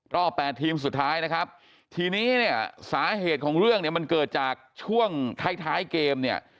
แปดทีมสุดท้ายนะครับทีนี้เนี่ยสาเหตุของเรื่องเนี่ยมันเกิดจากช่วงท้ายท้ายเกมเนี่ย